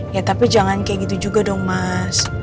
ya tapi jangan kayak gitu juga dong mas